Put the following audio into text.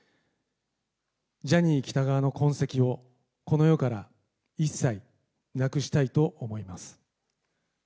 ジャニー喜多川の痕跡をこの世から一切なくしたいと思います。